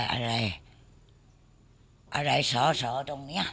อะไรอะไรสอสอตรงนี้